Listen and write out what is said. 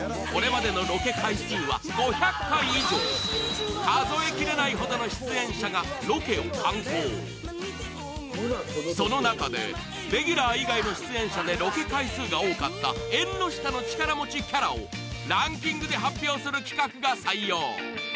これまでのロケ回数は５００回以上数えきれないほどの出演者がロケを敢行その中でレギュラー以外の出演者でロケ回数が多かった縁の下の力持ちキャラをランキングで発表する企画が採用